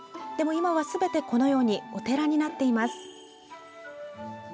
でも今は、すべてお寺になっています。